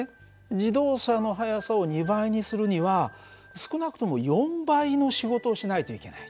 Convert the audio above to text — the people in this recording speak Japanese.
自動車の速さを２倍にするには少なくとも４倍の仕事をしないといけない。